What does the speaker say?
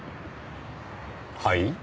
はい？